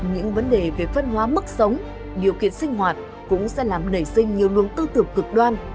những vấn đề về phân hóa mức sống điều kiện sinh hoạt cũng sẽ làm nảy sinh nhiều luồng tư tưởng cực đoan